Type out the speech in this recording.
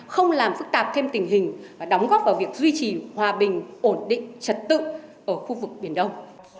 không làm phức tạp thêm tình hình và đóng góp vào việc duy trì hòa bình ổn định trật tự ở khu vực biển đông